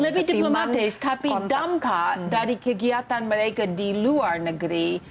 lebih diplomatis tapi dampak dari kegiatan mereka di luar negeri